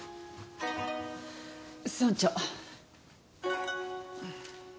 村長。